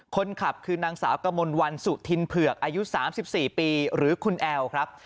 คนขับคือนางสาวกมลวันสุธินเผือกอายุ๓๔ปีหรือคุณแอลครับ